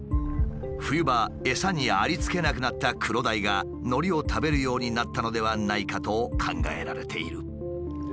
冬場餌にありつけなくなったクロダイがのりを食べるようになったのではないかと考えられている。